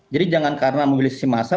jadi jangan karena mobilisasi massa